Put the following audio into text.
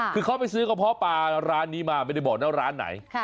คือเขาไปซื้อกระเพาะปลาร้านนี้มาไม่ได้บอกนะร้านไหน